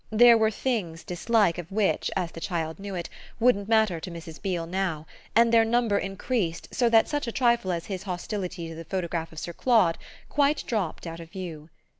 There were things dislike of which, as the child knew it, wouldn't matter to Mrs. Beale now, and their number increased so that such a trifle as his hostility to the photograph of Sir Claude quite dropped out of view.